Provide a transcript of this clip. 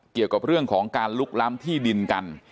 เกี่ยวกับเรื่องของการลุกล้ำที่ดินกัน